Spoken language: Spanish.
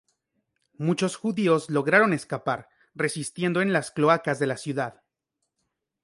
Muchos judíos lograron escapar, resistiendo en las cloacas de la ciudad.